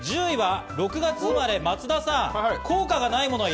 １０位は６月生まれ、松田さん。